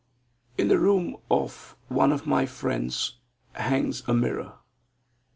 In the room of one of my friends hangs a mirror.